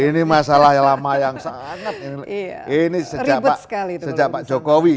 ini masalah yang lama yang sangat ini sejak pak jokowi